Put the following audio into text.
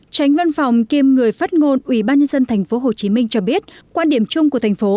tránh văn phòng kiêm người phát ngôn ủy ban nhân dân tp hcm cho biết quan điểm chung của thành phố